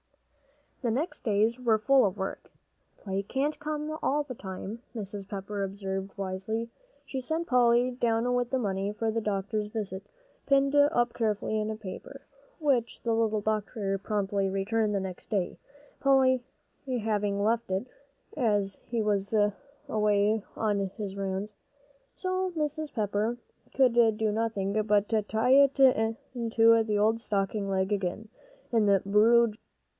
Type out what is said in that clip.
The next days were full of work. "Play can't come all the time," Mrs. Pepper observed wisely. She sent Polly down with the money for the doctor's visit, pinned up carefully in a paper, which the little doctor promptly returned the next day, Polly having left it, as he was away on his rounds. So Mrs. Pepper could do nothing but tie it into the old stocking leg again, in the bureau drawer.